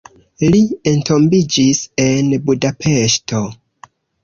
Li entombiĝis en Budapeŝto.